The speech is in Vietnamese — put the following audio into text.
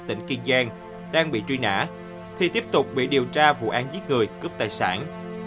tỉnh kiên giang đang bị truy nã thì tiếp tục bị điều tra vụ án giết người cướp tài sản